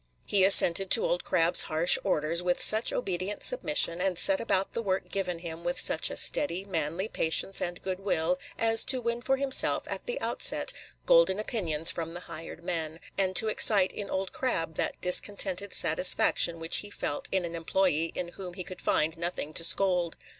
He assented to Old Crab's harsh orders with such obedient submission, and set about the work given him with such a steady, manly patience and good will, as to win for himself, at the outset, golden opinions from the hired men, and to excite in Old Crab that discontented satisfaction which he felt in an employee in whom he could find nothing to scold.